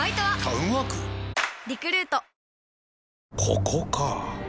ここか。